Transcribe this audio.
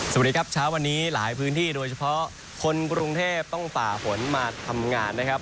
สวัสดีครับเช้าวันนี้หลายพื้นที่โดยเฉพาะคนกรุงเทพต้องฝ่าฝนมาทำงานนะครับ